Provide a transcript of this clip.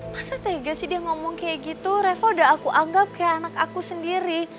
masa tega sih dia ngomong kayak gitu revo udah aku anggap kayak anak aku sendiri